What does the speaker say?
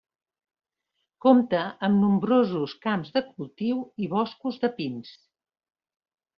Compta amb nombrosos camps de cultiu i boscos de pins.